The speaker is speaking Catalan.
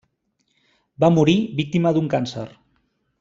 Va morir víctima d'un càncer.